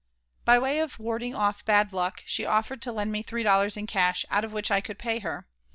By way of warding off "bad luck," she offered to lend me three dollars in cash, out of which I could pay her.